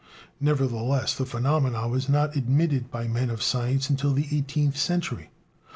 Nevertheless, the phenomenon was not admitted by men of science until the eighteenth century.